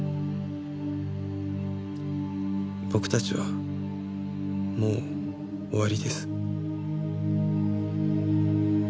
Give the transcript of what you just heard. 僕たちはもう終わりです。